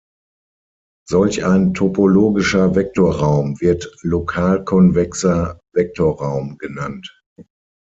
Solch ein topologischer Vektorraum wird lokalkonvexer Vektorraum genannt.